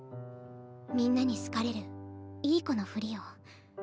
みんなに好かれるいい子のふりを。